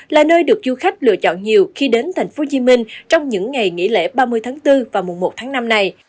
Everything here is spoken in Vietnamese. là nơi được du khách lựa chọn nhiều khi đến thành phố hồ chí minh trong những ngày nghỉ lễ ba mươi tháng bốn và mùa một tháng năm này